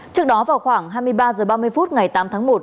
trước đó vào khoảng hai mươi ba h ba mươi phút ngày tám tháng một